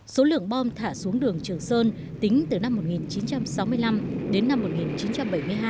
số lượng bom thả xuống đường trường sơn tính từ năm một nghìn chín trăm sáu mươi năm đến năm một nghìn chín trăm bảy mươi hai